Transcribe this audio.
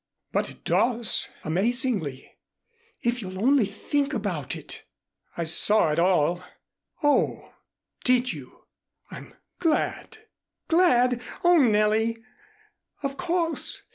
"But it does amazingly if you'll only think about it." "I saw it all." "Oh! Did you? I'm glad." "Glad! Oh, Nellie!" "Of course.